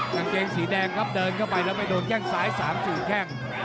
กางเกงสีแดงล่ะเดินเข้าไปแล้วไปโดนแค่งสาย๓สี่แค่ง